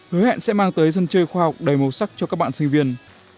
hứa hẹn sẽ mang tới dân chơi khoa học đầy màu sắc cho các bạn sinh viên